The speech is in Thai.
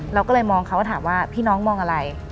เราก็เลยมองเขาถามว่าพี่น้องมองอะไร